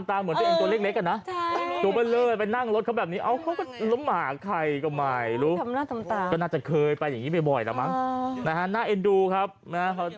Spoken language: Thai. ตัวเล็กอย่างน่ารักคนไม่มาเขาไม่ไปกันแล้วนะลงมา